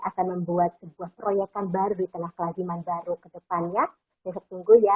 akan membuat sebuah proyekan baru di tengah kelajiman baru kedepannya besok tunggu ya